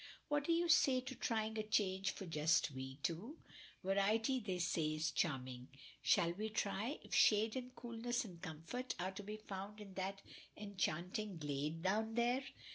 "What do you say to trying a change for just we two. Variety they say is charming, shall we try if shade and coolness and comfort are to be found in that enchanting glade down there?"